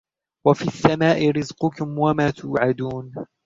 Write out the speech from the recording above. وَفِي السَّمَاءِ رِزْقُكُمْ وَمَا تُوعَدُونَ